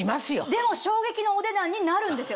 でも衝撃のお値段になるんですよね？